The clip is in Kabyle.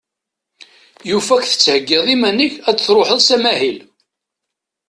Yufa-k tettheggiḍ iman-ik ad truḥeḍ s amahil.